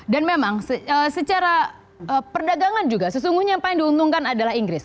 dan memang secara perdagangan juga sesungguhnya yang paling diuntungkan adalah inggris